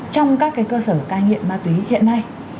trong các cơ sở cai nghiện ma túy hiện nay